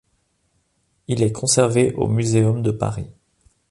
Il est conservé au muséum de Paris.